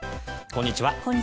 こんにちは。